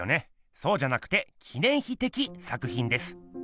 そうじゃなくて記念碑的作品です。